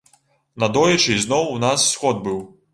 Надоечы ізноў у нас сход быў.